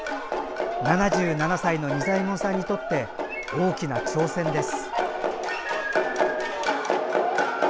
７７歳の仁左衛門さんにとって大きな挑戦です。